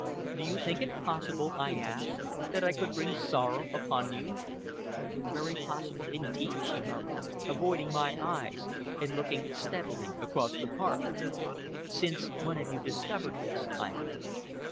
"Do you think it possible?" I asked, "that I could bring sorrow upon you?" "Very possible indeed," she murmured, avoiding my eyes, and looking steadily across the park. "Since when have you discovered this?" I asked.